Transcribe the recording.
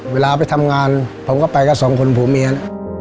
เวลาไปทำงานผมก็ไปกับ๒คนผู้เมีย